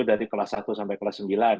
dari kelas satu sampai kelas sembilan